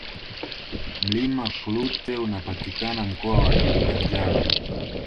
mlima klute unapatikana mkoa wa kilimanjaro